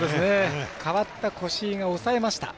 代わった越井が抑えました。